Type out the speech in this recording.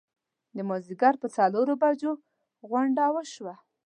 د مازیګر پر څلورو بجو غونډه وشوه.